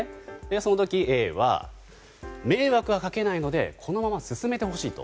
その時、Ａは迷惑はかけないのでこのまま進めてほしいと。